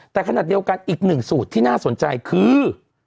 แต่ขณะเดียวกันอีกหนึ่งสูตรที่น่าสนใจคือ